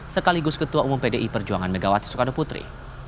sekaligus ketua umum pdi perjuangan megawati soekarno putri